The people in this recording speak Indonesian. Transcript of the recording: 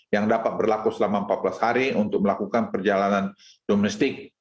yang dapat berlaku selama empat belas hari untuk melakukan perjalanan domestik